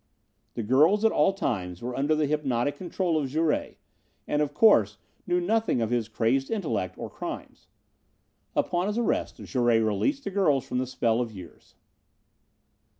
"The girls, at all times, were under the hypnotic control of Jouret, and, of course, knew nothing of his crazed intellect or crimes. Upon his arrest Jouret released the girls from the spell of years.